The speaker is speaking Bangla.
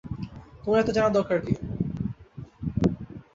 তোমার এত জানার দরকার কি?